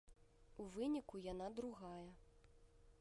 У выніку яна другая.